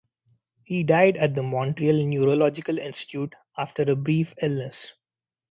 He died at the Montreal Neurological Institute after a brief illness.